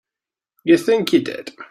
You think you did.